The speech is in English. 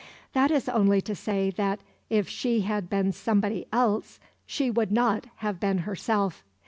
That is only to say that if she had been somebody else she would not have been herself.